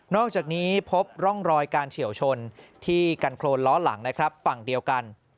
อกจากนี้พบร่องรอยการเฉียวชนที่กันโครนล้อหลังนะครับฝั่งเดียวกัน